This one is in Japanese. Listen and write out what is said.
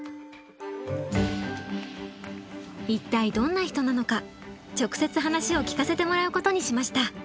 一体どんな人なのか直接話を聞かせてもらうことにしました。